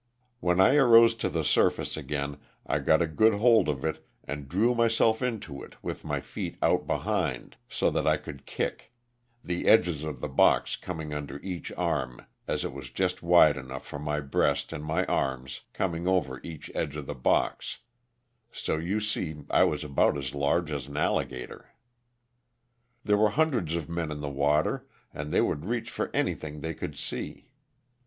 When I arose to the surface again I got a good hold of it and drew my self into it with my feet out behind, so that I could kick, the edges of the box coming under each arm as it was just wide enough for my breast and my arms coming over each edge of the box ; so you see I was about as large as an alligator. There were hundreds of men in the water and they would reach for anything they could see.